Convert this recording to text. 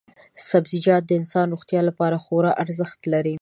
سبزیجات د انسان روغتیا لپاره خورا ارزښت لري.